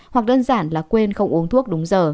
hoặc đơn giản là quên không uống thuốc